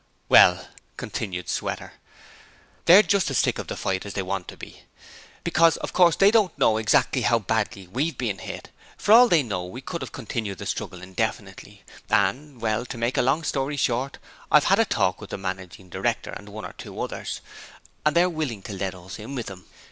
'Well,' continued Sweater, 'they're just as sick of the fight as they want to be, because of course they don't know exactly how badly we've been hit. For all they know, we could have continued the struggle indefinitely: and well, to make a long story short, I've had a talk with the managing director and one or two others, and they're willing to let us in with them.